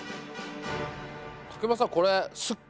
柿山さん